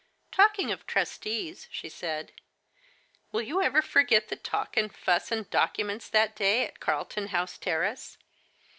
" Talking of trustees," she said, " will you ever forget the talk, and fuss, and documents that day at Carlton House Terrace?